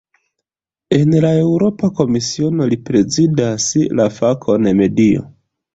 En la Eŭropa Komisiono li prezidas la fakon "medio".